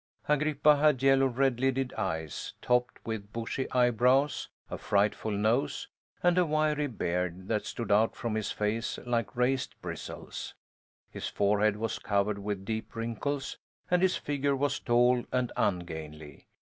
Agrippa had yellow red lidded eyes, topped with bushy eyebrows, a frightful nose, and a wiry beard that stood out from his face like raised bristles. His forehead was covered with deep wrinkles and his figure was tall and ungainly.